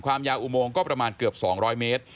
ความยาวอุโมงก็ประมาณเกือบ๒๐๐เมตร